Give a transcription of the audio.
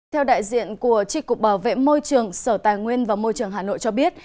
theo đại diện của tri cục bảo vệ môi trường sở tài nguyên và môi trường hà nội cho biết